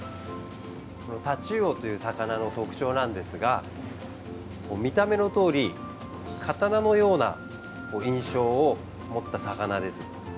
タチウオという魚の特徴ですが見た目のとおり刀のような印象を持った魚です。